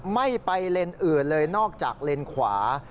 ไม่ไปเลนส์อื่นเลยนอกจากเลนขวา